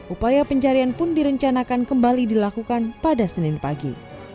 upaya pencarian pun direncanakan kembali dilakukan pada senin pagi